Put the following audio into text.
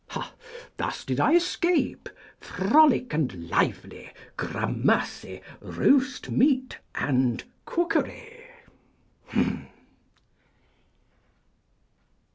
Thus did I escape frolic and lively, gramercy roastmeat and cookery.